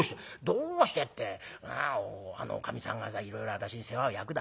「どうしてってあのおかみさんがさいろいろ私に世話を焼くだろ。